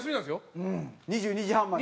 ２２時半まで。